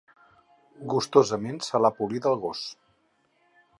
Gustosament se l’ha polida el gos.